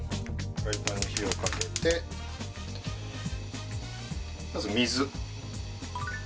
フライパンを火にかけてまず、水。